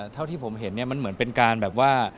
เท่าที่ผมเห็นเนี่ยมันเหมือนเป็นการแบบว่า